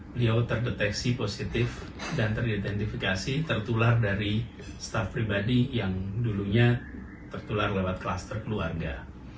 beliau terdeteksi positif dan teridentifikasi tertular dari staff pribadi yang dulunya tertular lewat klaster keluarga